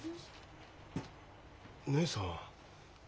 義姉さん？